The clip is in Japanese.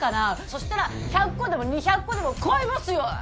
そしたら１００個でも２００個でも買いますよ！